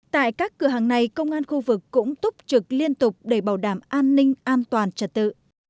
tại các cửa hàng này công an khu vực cũng túc trực liên tục để bảo đảm an ninh an toàn trật tự